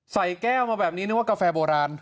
ใส่แก้วมาแบบนี้นึกว่ากาแฟโบราณ